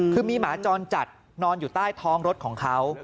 คือมีหมาจรจัดนอนอยู่ใต้ท้องรถของเขา